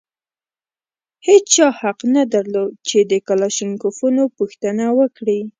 هېچا حق نه درلود چې د کلاشینکوفونو پوښتنه وکړي.